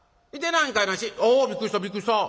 しあびっくりしたびっくりした！